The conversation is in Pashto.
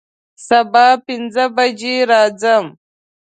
سبا پنځه بجې راځم